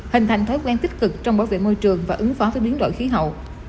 hình thành thói quen tích cực trong bảo vệ môi trường và ứng phó với biến đổi khí hậu